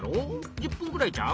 １０分ぐらいちゃう？